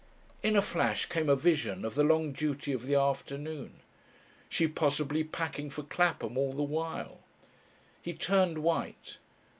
In a flash came a vision of the long duty of the afternoon she possibly packing for Clapham all the while. He turned white.